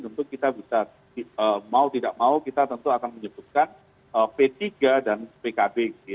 tentu kita bisa mau tidak mau kita tentu akan menyebutkan p tiga dan pkb